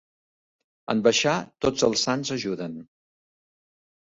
En baixar tots els sants ajuden.